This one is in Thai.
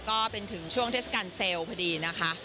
ก็เป็นถึงช่วงทดสรรค์เซลล์พอดีนะคะ